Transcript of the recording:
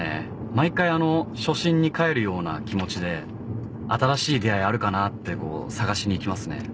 毎回初心に帰るような気持ちで新しい出合いあるかなって探しに行きますね。